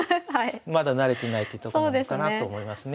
まだ慣れてないってとこなのかなと思いますね。